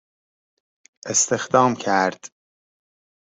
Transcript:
استخدام کرد